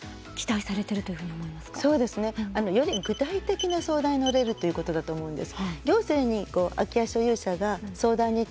より具体的な相談に乗れるということだと思うんです。